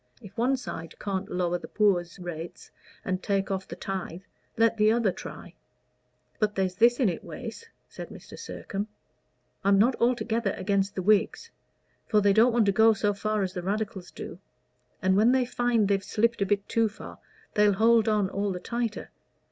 If one side can't lower the poor's rates and take off the tithe, let the other try." "But there's this in it, Wace," said Mr. Sircome. "I'm not altogether against the Whigs. For they don't want to go so far as the Radicals do, and when they find they've slipped a bit too far they'll hold on all the tighter.